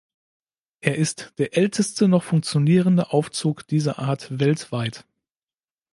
Er ist der älteste noch funktionierende Aufzug dieser Art weltweit.